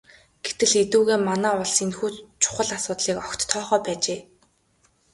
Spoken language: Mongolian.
Гэтэл эдүгээ манай улс энэхүү чухал асуудлыг огт тоохоо байжээ.